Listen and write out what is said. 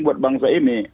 buat bangsa ini